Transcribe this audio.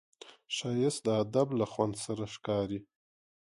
ښایست د ادب له خوند سره ښکاري